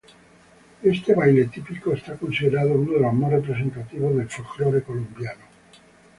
Este baile típico es considerado uno de los más representativos del folclore colombiano.